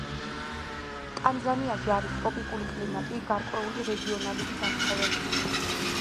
ტანზანიაში არის ტროპიკული კლიმატი, გარკვეული რეგიონალური განსხვავებებით.